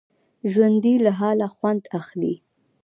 ژوندي له حاله خوند اخلي